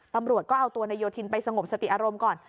ตำรวจก็เอาตัวนายโยธินไปสงบสติอารมณ์ก่อน